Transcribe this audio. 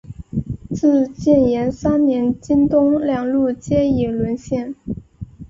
至建炎三年京东两路皆已沦陷。